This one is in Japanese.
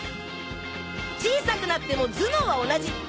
小さくなっても頭脳は同じ。